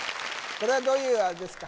これはどういうあれですか？